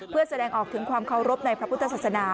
เพื่อแสดงออกถึงความเคารพในพระพุทธศาสนา